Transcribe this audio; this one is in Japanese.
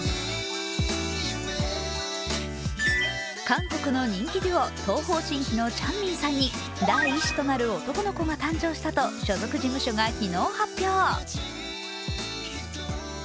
韓国の人気デュオ、東方神起のチャンミンさんに第１子となる男の子が誕生したと所属事務所が昨日発表。